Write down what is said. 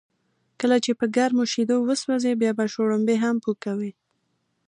کله چې په گرمو شیدو و سوځې، بیا به شړومبی هم پو کوې.